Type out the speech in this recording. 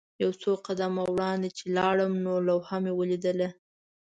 یو څو قدمه وړاندې چې لاړم نو لوحه مې ولیدله.